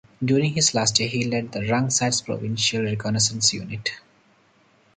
During his last year he led the Rung Sat's Provincial Reconnaissance Unit.